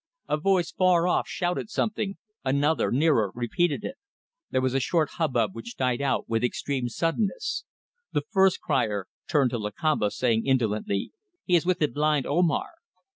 A voice far off shouted something another, nearer, repeated it; there was a short hubbub which died out with extreme suddenness. The first crier turned to Lakamba, saying indolently "He is with the blind Omar."